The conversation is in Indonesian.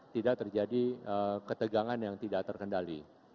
tidak terjadi ketegangan yang tidak terkendali